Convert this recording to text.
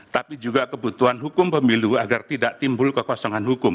tapi juga kebutuhan hukum pemilu agar tidak timbul kekosongan hukum